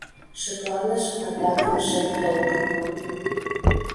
Шыпланыш атакын шем толкын.